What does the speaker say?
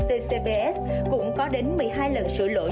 tcbs cũng có đến một mươi hai lần sửa lỗi